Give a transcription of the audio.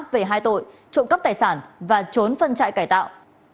về hai tội trộm cắp tài sản và trốn phân trại cải tạo